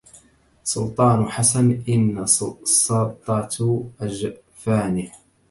سلطان حسن إن سطت أجفانه